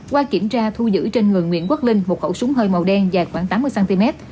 qua kiểm tra thu giữ trên người nguyễn quốc linh một khẩu súng hơi màu đen dài khoảng tám mươi cm